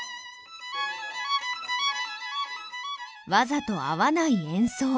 わざと合わない演奏。